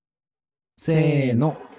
せの。